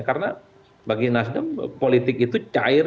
karena bagi nasdem politik itu cair